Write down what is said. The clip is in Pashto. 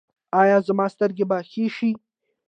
ایا زما سترګې به ښې شي؟